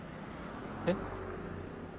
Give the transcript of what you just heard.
えっ？